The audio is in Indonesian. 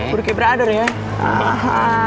kuruki brother ya